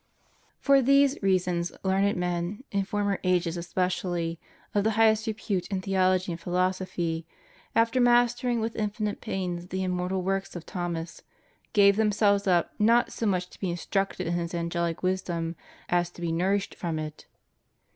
For these reasons learned men, in former ages especially, of the highest repute in theology and philosophy, after mastering with infinite pains the immortal works of Thomas, gave themselves up not so much to be in structed in his angelic wisdom as to be nourished upon it.